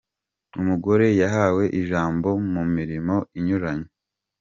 Umugore yahawe ijambo mu mirimo inyuranye.